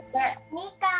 みかん！